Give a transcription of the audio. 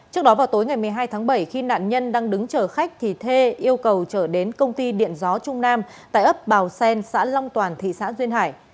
trước đó vào tối ngày một mươi hai tháng bảy khi nạn nhân đang đứng chở khách thì thê yêu cầu trở đến công ty điện gió trung nam tại ấp bào sen xã long toàn thị xã duyên hải